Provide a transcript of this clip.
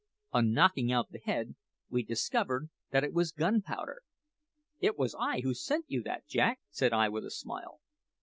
On knocking out the head we discovered that it was gunpowder." "It was I who sent you that, Jack," said I with a smile.